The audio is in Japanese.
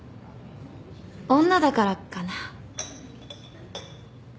女だからかな？